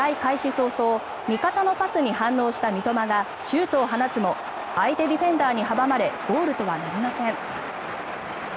早々、味方のパスに反応した三笘がシュートを放つも相手ディフェンダーに阻まれゴールとはなりません。